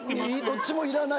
どっちもいらない。